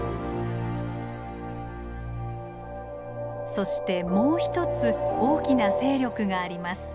そしてもう一つ大きな勢力があります。